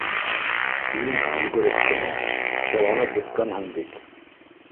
Ин йүгереп кенә, сы ланып бөткәнһең бит